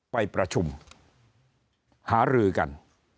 ไปประชุมหารือกัน